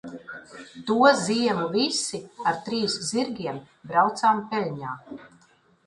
To ziemu visi, ar trīs zirgiem, braucām peļņā.